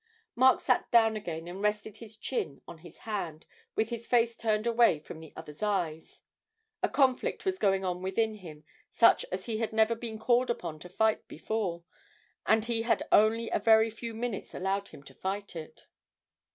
Mark sat down again and rested his chin on his hand, with his face turned away from the other's eyes. A conflict was going on within him such as he had never been called upon to fight before, and he had only a very few minutes allowed him to fight it.